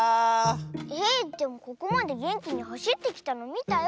えっでもここまでげんきにはしってきたのみたよ